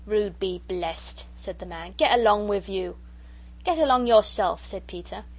"Rude be blessed," said the man; "get along with you!" "Get along yourself," said Peter.